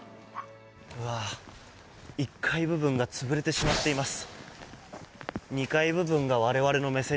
１階部分が潰れてしまっています。